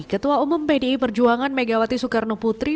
ketua umum pdi perjuangan megawati soekarno putri